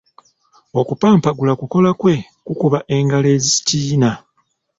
Okupampagula kukola kwe kukuba engalo ezikiina.